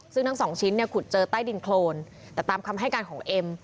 ซึ่งทั้งสองชิ้นเนี่ยขุดเจอใต้ดินโครนแต่ตามคำให้การของเอ็ม